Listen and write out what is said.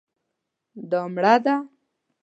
دا مړه ده